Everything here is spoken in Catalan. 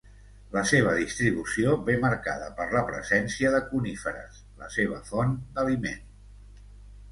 La seva distribució ve marcada per la presència de coníferes, la seva font d'aliment.